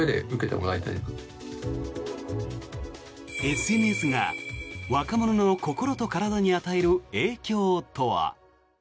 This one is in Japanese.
ＳＮＳが若者の心と体に与える影響とは。